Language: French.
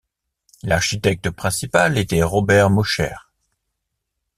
L'architecte principal était Robert Mosher.